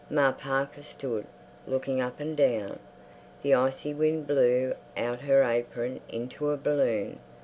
Ma Parker stood, looking up and down. The icy wind blew out her apron into a balloon.